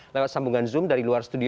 lewat sambungan zoom dari luar studio